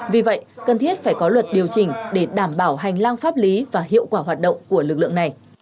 vì vậy cần thiết phải có luật điều chỉnh để đảm bảo hành lang pháp lý và hiệu quả hoạt động của lực lượng này